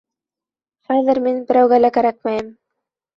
Хәҙер мин берәүгә лә кәрәкмәйем.